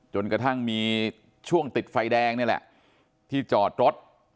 จนกระทั่งมีช่วงติดไฟแดงนี่แหละที่จอดรถ